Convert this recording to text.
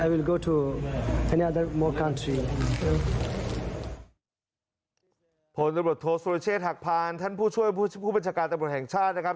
ผลตำรวจโทษสุรเชษฐ์หักพานท่านผู้ช่วยผู้บัญชาการตำรวจแห่งชาตินะครับ